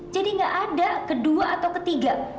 jadi gak ada kedua atau ketiga